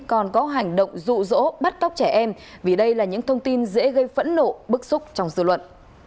còn có hành động dụ dỗ bắt cóc trẻ em vì đây là những thông tin dễ gây phẫn nộ bức xúc trong dự luận